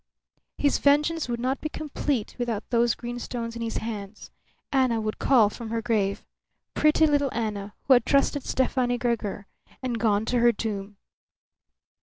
His vengeance would not be complete without those green stones in his hands. Anna would call from her grave. Pretty little Anna, who had trusted Stefani Gregor, and gone to her doom.